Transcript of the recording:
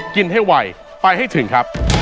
กินให้ไวไปให้ถึงครับ